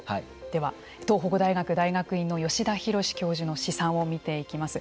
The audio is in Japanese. では東北大学大学院の吉田浩教授の試算を見ていきます